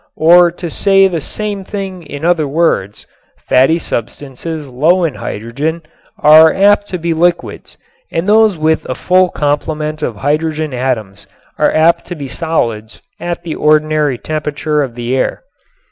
Or to say the same thing in other words, fatty substances low in hydrogen are apt to be liquids and those with a full complement of hydrogen atoms are apt to be solids at the ordinary temperature of the air.